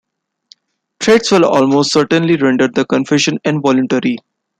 Threats will almost certainly render the confession involuntary.